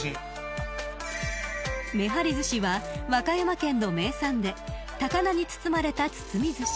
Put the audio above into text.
［めはりずしは和歌山県の名産で高菜に包まれた包みずし］